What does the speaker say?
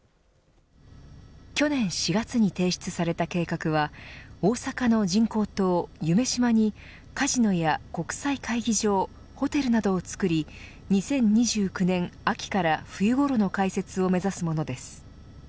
去年４月に提出された計画は大阪の人工島、夢洲にカジノや国際会議場ホテルなどをつくり２０２９年秋から冬ごろの開設を目指すものです。